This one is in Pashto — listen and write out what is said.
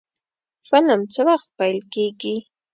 فلم څه وخت پیل کیږي؟